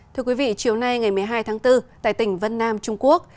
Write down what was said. thưa quý vị chiều nay ngày một mươi hai tháng bốn tại tỉnh vân nam trung quốc